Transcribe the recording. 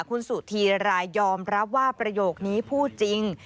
คุณสุธีรรายยอมรับว่าประโยคนี้พูดจริง